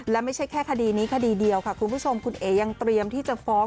และไม่ใช่แค่คดีนี้คดีเดียวค่ะคุณผู้ชมคุณเอ๋ยังเตรียมที่จะฟ้อง